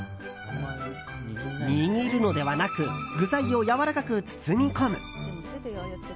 にぎるのではなく具材をやわらかく包み込む。